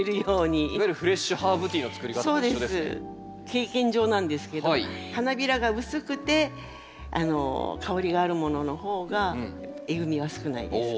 経験上なんですけど花びらが薄くて香りがあるものの方がえぐみは少ないです。